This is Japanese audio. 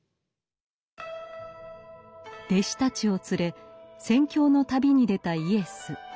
弟子たちを連れ宣教の旅に出たイエス。